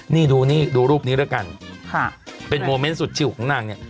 นี่ดูรูปนี้แล้วกันเป็นโมเม้นต์สุดจิ้วของนางเนี่ย